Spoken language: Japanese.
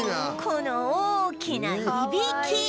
この大きないびき！